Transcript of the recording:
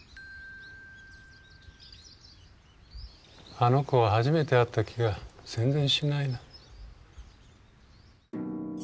あの子は初めて会った気が全然しないな。